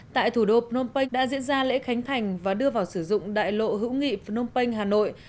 tại thủ đô phnom penh đã diễn ra lễ khánh thành và đưa vào sử dụng đại lộ hữu nghị phnom penh hà nội